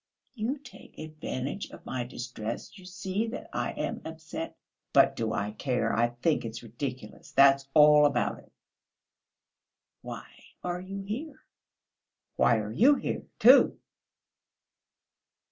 "You take advantage of my distress; you see that I am upset...." "But do I care? I think it's ridiculous, that's all about it!" "Why are you here?" "Why are you here, too?..."